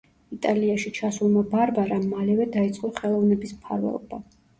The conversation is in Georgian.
იტალიაში ჩასულმა ბარბარამ მალევე დაიწყო ხელოვნების მფარველობა.